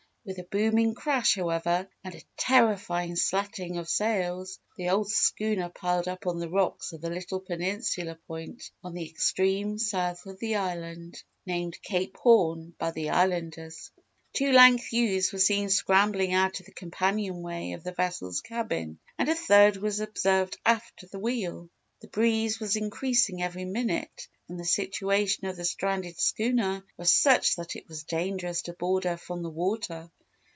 With a booming crash, however, and a terrifying slatting of sails, the old schooner piled up on the rocks of the little peninsula point on the extreme south of the island, named Cape Horn by the Islanders. Two lank youths were seen scrambling out of the companionway of the vessel's cabin and a third was observed aft of the wheel. The breeze was increasing every minute and the situation of the stranded schooner was such that it was dangerous to board her from the water.